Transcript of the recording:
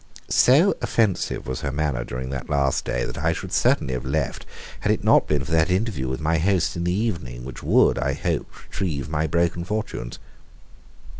So offensive was her manner during that last day, that I should certainly have left had it not been for that interview with my host in the evening which would, I hoped, retrieve my broken fortunes.